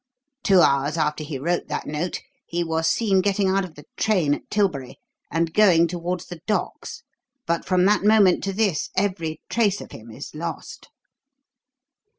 Two hours after he wrote that note he was seen getting out of the train at Tilbury and going towards the docks; but from that moment to this every trace of him is lost."